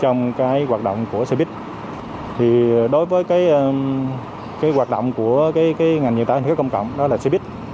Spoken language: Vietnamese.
trong cái hoạt động của xe buýt thì đối với cái hoạt động của cái ngành nghiên tả hành khách công cộng đó là xe buýt